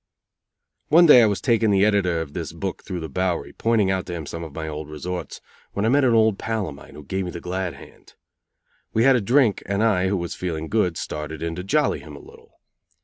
One day I was taking the editor of this book through the Bowery, pointing out to him some of my old resorts, when I met an old pal of mine, who gave me the glad hand. We had a drink, and I, who was feeling good, started in to jolly him a little.